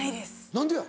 何でや？